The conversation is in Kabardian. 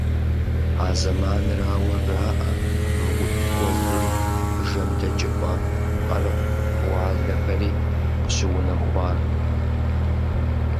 А зэманырауэ жаӀэ МыутӀ гуэлри, ЖэмдэкӀыпӀэ, Къыркъ тӀуалэхэри къыщыунэхуар.